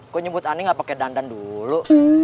kok jemput ani gak pake dandan dulu